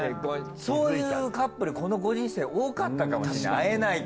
そういうカップルこのご時世多かったかもしんない。